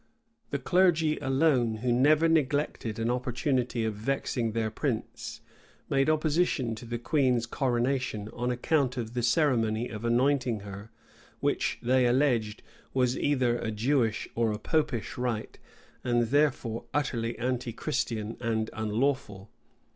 The clergy alone, who never neglected an opportunity of vexing their prince, made opposition to the queen's coronation, on account of the ceremony of anointing her, which, they alleged, was either a Jewish or a Popish rite, and therefore utterly antichristian and unlawful.